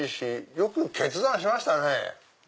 よく決断しましたね。